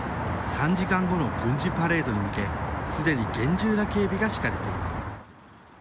３時間後の軍事パレードに向けすでに厳重な警備が敷かれています。